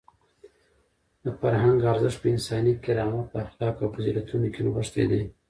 د فرهنګ ارزښت په انساني کرامت، اخلاقو او فضیلتونو کې نغښتی دی.